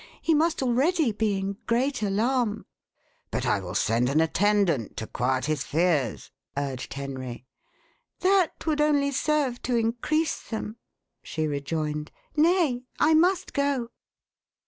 He must already be in great alarm." "But I will send an attendant to quiet his fears," urged Henry. "That would only serve to increase them," she rejoined. "Nay, I must go."